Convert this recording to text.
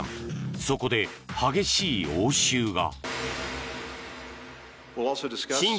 そこで激しい応酬が。